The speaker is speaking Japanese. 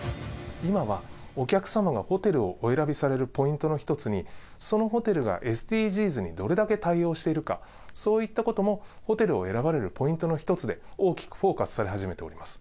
今はお客様がホテルをお選びされるポイントの一つに、そのホテルがＳＤＧｓにどれだけ対応しているか、そういったこともホテルを選ばれるポイントの一つで、大きくフォーカスされ始めております。